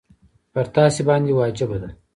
پر تاسي باندي واجبه ده.